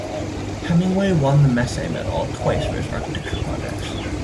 Hemingway won the Massey medal twice for his architecture projects.